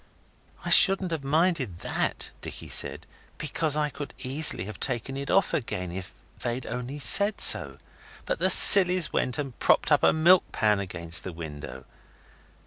'I shouldn't have minded THAT,' Dicky said, 'because I could easily have taken it all off again if they'd only said so. But the sillies went and propped up a milk pan against the window.